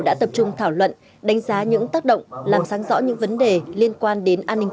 đã tập trung thảo luận đánh giá những tác động làm sáng rõ những vấn đề liên quan đến an ninh